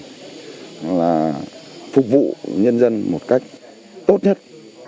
đó là phục vụ nhân dân một cách tốt nhất